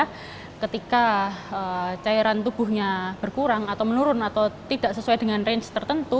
karena ketika cairan tubuhnya berkurang atau menurun atau tidak sesuai dengan range tertentu